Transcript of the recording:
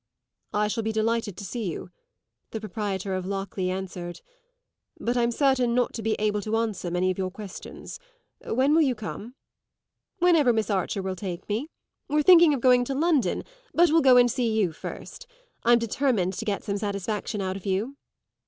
"I shall be delighted to see you," the proprietor of Lockleigh answered; "but I'm certain not to be able to answer many of your questions. When will you come?" "Whenever Miss Archer will take me. We're thinking of going to London, but we'll go and see you first. I'm determined to get some satisfaction out of you."